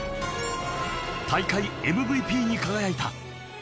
大会ＭＶＰに輝いた。